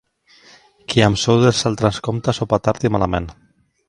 Qui amb sous dels altres compta, sopa tard i malament.